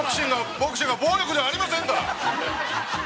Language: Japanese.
◆ボクシングは暴力ではありませんから！